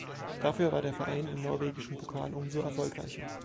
Dafür war der Verein im norwegischen Pokal umso erfolgreicher.